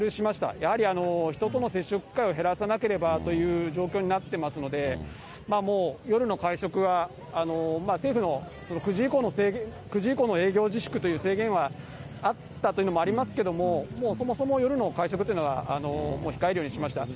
やはり人との接触機会を減らさなければという状況になっていますので、夜の会食は、政府の９時以降の営業自粛という制限はあったというのもありますけれども、もうそもそも夜の会食っていうのは控えるようにしました。